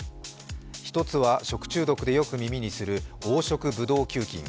１つは食中毒でよく耳にする黄色ブドウ球菌。